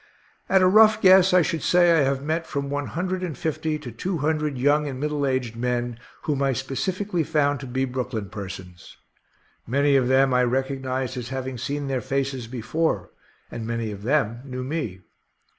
At a rough guess, I should say I have met from one hundred and fifty to two hundred young and middle aged men whom I specifically found to be Brooklyn persons. Many of them I recognized as having seen their faces before, and very many of them knew me.